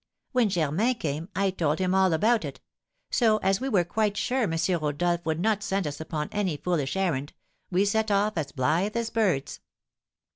"When Germain came, I told him all about it; so as we were quite sure M. Rodolph would not send us upon any foolish errand, we set off as blithe as birds.